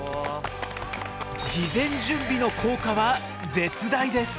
事前準備の効果は絶大です！